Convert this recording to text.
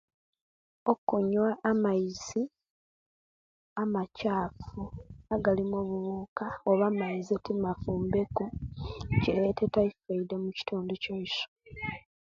Okunyuwa amaizi amachafu agalimu obuwuka oba amaizi atemafumbeku kileeta typhoid mukitundu kyaisu